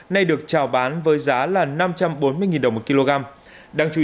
nay được trào bán với giá là năm trăm bốn mươi đồng một kg